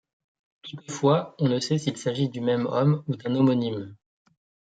Toutefois, on ne sait s'il s'agit du même homme ou d'un homonyme.